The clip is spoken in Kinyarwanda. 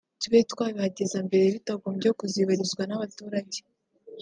tube twabihageza na mbere bitagombye kuzibarizwa n’abaturage